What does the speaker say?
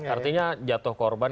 artinya jatuh korban